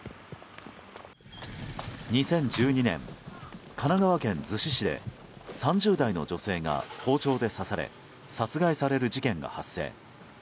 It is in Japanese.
２０１２年、神奈川県逗子市で３０代の女性が包丁で刺され殺害される事件が発生。